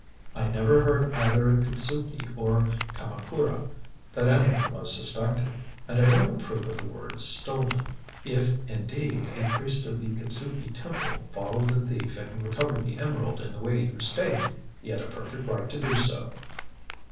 "I never heard either at Kitzuki or Kamakura that anyone was suspected. And I don't approve of the word stolen. If, indeed, a priest of the Kitzuki Temple followed the thief and recovered the emerald in the way you state, he had a perfect right to do so."